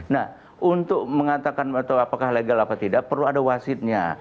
nah untuk mengatakan atau apakah legal atau tidak perlu ada wasitnya